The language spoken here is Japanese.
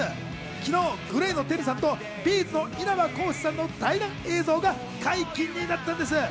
昨日、ＧＬＡＹのＴＥＲＵさんとＢ’ｚの稲葉浩志さんの対談映像が解禁になったんです。